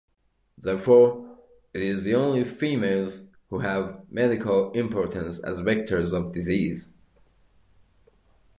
Therefore, it is only the females who have medical importance as vectors of disease.